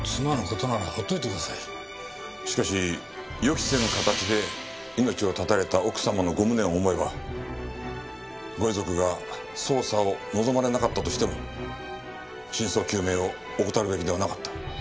しかし予期せぬ形で命を絶たれた奥様のご無念を思えばご遺族が捜査を望まれなかったとしても真相究明を怠るべきではなかった。